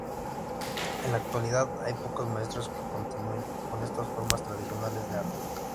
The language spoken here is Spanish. En la actualidad hay pocos maestros que continúen con estas formas tradicionales de arte.